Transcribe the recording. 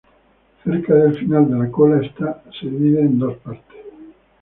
Cerca del final de la cola, esta se divide en dos partes.